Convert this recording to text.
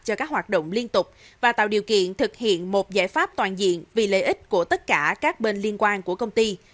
cho các hoạt động liên tục và tạo điều kiện thực hiện một giải pháp toàn diện vì lợi ích của tất cả các bên liên quan của công ty